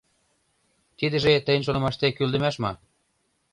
Тидыже, тыйын шонымаште, кӱлдымаш мо?!